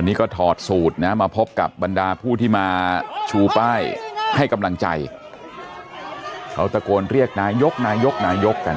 วันนี้ก็ถอดสูตรนะมาพบกับบรรดาผู้ที่มาชูป้ายให้กำลังใจเขาตะโกนเรียกนายกนายกนายกกัน